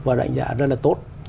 và đánh giá rất là tốt